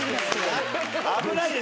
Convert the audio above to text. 危ないですよ